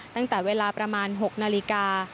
ตั้งแต่เวลาประมาณ๖นาฬิกา